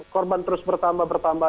korban terus bertambah bertambah